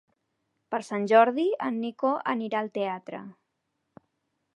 Per Sant Jordi en Nico anirà al teatre.